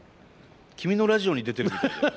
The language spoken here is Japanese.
君のラジオに出てるみたいだよ